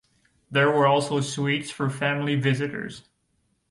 There were also suites for family visitors.